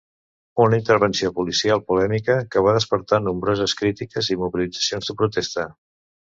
Una intervenció policial polèmica, que va despertar nombroses crítiques i mobilitzacions de protesta.